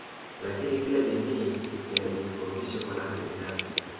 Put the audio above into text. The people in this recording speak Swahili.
Lakini kila jamii inajitofautisha kwa lahaja yake